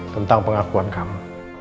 tentang pengakuan kamu